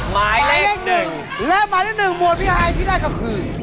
ไม้เล็กหนึ่งและไม้เล็กหนึ่งหมวดพี่ฮายที่ได้ก็คือ